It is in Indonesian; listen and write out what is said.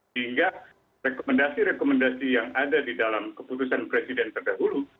sehingga rekomendasi rekomendasi yang ada di dalam keputusan presiden terdahulu